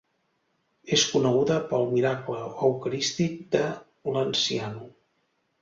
És coneguda pel Miracle Eucarístic de Lanciano.